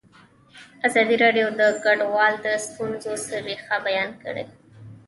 ازادي راډیو د کډوال د ستونزو رېښه بیان کړې.